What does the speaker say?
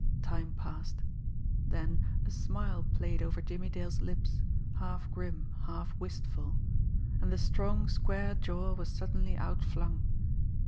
Time passed. Then a smile played over Jimmie Dale's lips, half grim, half wistful; and the strong, square jaw was suddenly out flung.